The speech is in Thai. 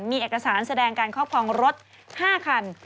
มีเอกสารแสดงการครอบครองรถ๕คัน